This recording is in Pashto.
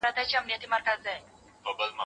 لوستې مور د کورنۍ د ؛خوړو پلان جوړوي.